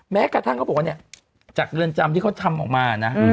แม้กระทั่งเขาบอกว่าเนี่ยจากเรือนจำที่เขาทำออกมานะ